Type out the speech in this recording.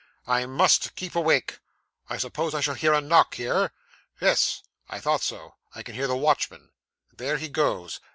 'I must keep awake. I suppose I shall hear a knock here. Yes. I thought so. I can hear the watchman. There he goes.